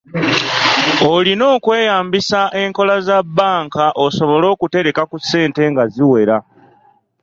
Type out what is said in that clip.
Olina okweyambisa enkola za bbanka osobole okutereka ku ssente nga ziwera.